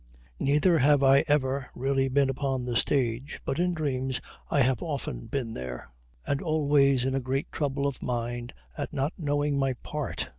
Neither have I ever really been upon the stage, but in dreams I have often been there, and always in a great trouble of mind at not knowing my part.